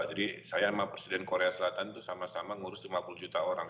jadi saya sama presiden korea selatan itu sama sama ngurus lima puluh juta orang